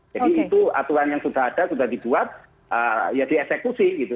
jadi itu aturan yang sudah ada sudah dibuat ya dieksekusi gitu